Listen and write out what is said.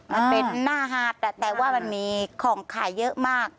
มันเป็นหน้าหาดแต่ว่ามันมีของขายเยอะมาก